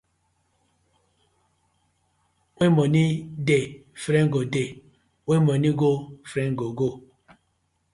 When money dey, friend go dey, when money go, friend go go.